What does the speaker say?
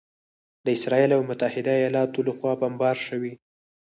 د اسراییل او متحده ایالاتو لخوا بمبار شوي